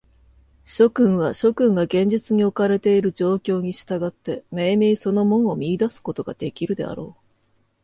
諸君は、諸君が現実におかれている状況に従って、めいめいその門を見出すことができるであろう。